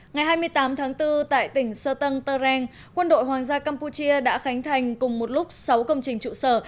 ngày hai mươi tám tháng bốn tại tỉnh sơ tân turreng quân đội hoàng gia campuchia đã khánh thành cùng một lúc sáu công trình trụ sở